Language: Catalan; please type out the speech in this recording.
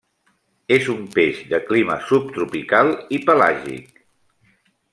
És un peix de clima subtropical i pelàgic.